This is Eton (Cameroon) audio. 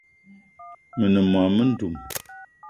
Me ne mô-mendum